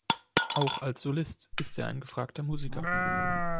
Auch als Solist ist er ein gefragter Musiker.